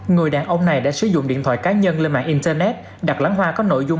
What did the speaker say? người đàn ông này đã sử dụng điện thoại cá nhân lên mạng internet đặt lãng hoa có nội dung